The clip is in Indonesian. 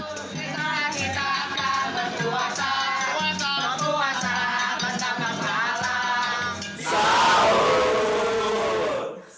kita akan berpuasa berpuasa berpuasa bersama sama